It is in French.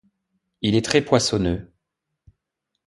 Il est très poissonneux.